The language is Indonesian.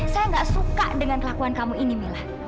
saya gak suka dengan kelakuan kamu ini mila